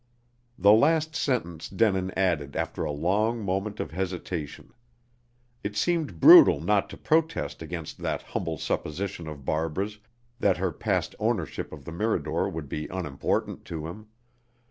The last sentence Denin added after a long moment of hesitation. It seemed brutal not to protest against that humble supposition of Barbara's that her past ownership of the Mirador would be unimportant to him.